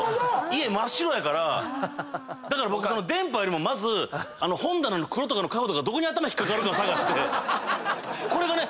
家真っ白やからだから僕電波よりもまず本棚の黒とかの角度がどこに頭引っ掛かるか探してこれがね